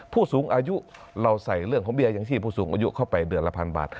ผู้สูงอายุเราใส่เรื่องของเบี้ยยังชีพผู้สูงอายุเข้าไปเดือนละพันบาท